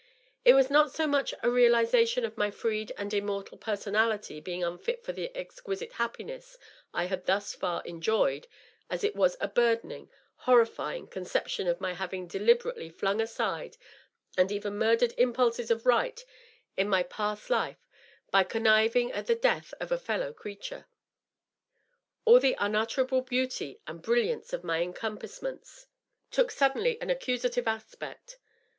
It was not so much a realization of my freed and immortal personality being unfit for the exquisite happiness I had thus far enjoyed as it was a burdening, horrifying conception of my having deliberately flung aside and even murdered impulses of right in my past life by conniving at the death of a fellow creature. All the unutterable beauty and brilliancy of my encompassments took suddenly an accusative aspect.